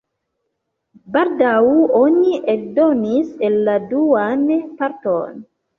Baldaŭ oni eldonis la duan parton.